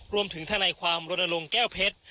รวมถึงท่านายความรนลงแก้วเพชร